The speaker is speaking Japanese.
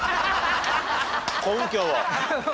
根拠を。